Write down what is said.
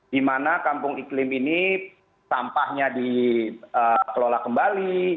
di mana kampung iklim ini sampahnya dikelola kembali